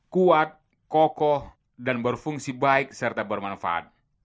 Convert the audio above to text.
kuat kokoh dan berfungsi baik serta bermanfaat